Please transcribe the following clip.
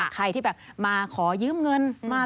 ใครที่แบบมาขอยืมเงิน